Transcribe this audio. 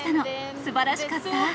すばらしかった。